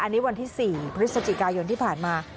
อันนี้วันที่๔พฤศจิกายนที่ผ่านมา